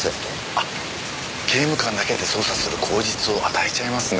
あっ刑務官だけで捜査する口実を与えちゃいますね。